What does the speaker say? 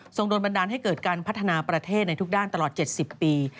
ส่งโดนบันดาลให้เกิดการพัฒนาประเทศในทุกด้านตลอด๗๐ปี